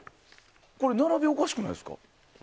並びおかしくないですか？